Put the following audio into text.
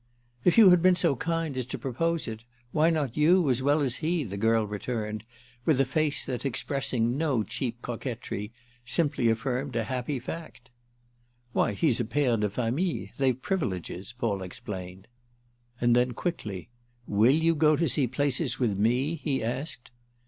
"If you had been so kind as to propose it—why not you as well as he?" the girl returned with a face that, expressing no cheap coquetry, simply affirmed a happy fact. "Why he's a père de famille. They've privileges," Paul explained. And then quickly: "Will you go to see places with me?" he asked.